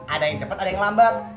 ada yang cepat ada yang lambat